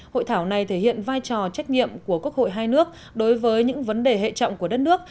hội thảo này thể hiện vai trò trách nhiệm của quốc hội hai nước đối với những vấn đề hệ trọng của đất nước